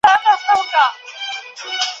نه په شعرونو نه غزل نه ترانو جوړیږي